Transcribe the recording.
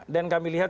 dan kami lihat